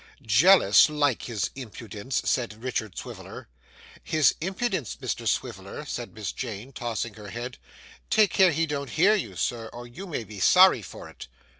'Jealous! Like his impudence!' said Richard Swiviller. 'His impudence, Mr Swiviller!' said Miss Jane, tossing her head. 'Take care he don't hear you, sir, or you may be sorry for it.